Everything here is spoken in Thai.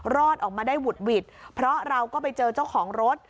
รอดออกมาได้หุดหวิดเพราะเราก็ไปเจอเจ้าของรถ